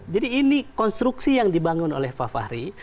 jadi ini konstruksi yang dibangun oleh pak fahri